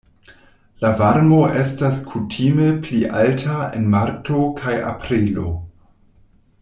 La varmo estas kutime pli alta en marto kaj aprilo.